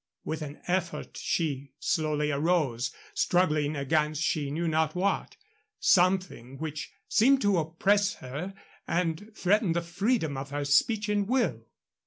With an effort she slowly arose, struggling against she knew not what something which seemed to oppress her and threaten the freedom of her speech and will.